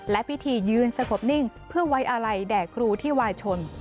และพิธียืนสงบนิ่งเพื่อไว้อาลัยแด่ครูที่วายชน